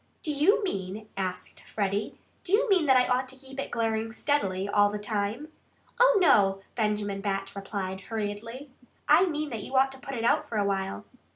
"Do you mean " asked Freddie "do you mean that I ought to keep it glaring steadily all the time?" "Oh, no!" Benjamin Bat replied hurriedly. "I mean that you ought to put it out for a while."